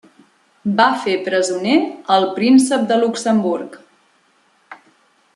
Va fer presoner al Príncep de Luxemburg.